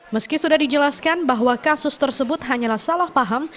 meski sudah dijelaskan bahwa kasus tersebut hanyalah salah paham